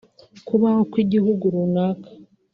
kubaho kw’igihugu runaka